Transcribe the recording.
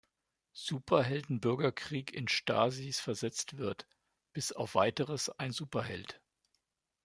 Superhelden-Bürgerkrieg in Stasis versetzt wird, bis auf weiteres ein Superheld.